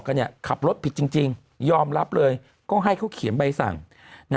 กันเนี่ยขับรถผิดจริงยอมรับเลยก็ให้เขาเขียนใบสั่ง